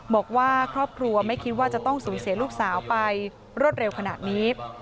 บอกว่าครอบครัวไม่คิดว่าจะต้องสูญเสียลูกสาวไปรวดเร็วขนาดนี้